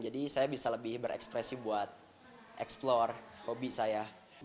jadi saya bisa lebih berekspresi buat explore hobi saya